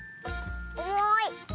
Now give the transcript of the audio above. おもい！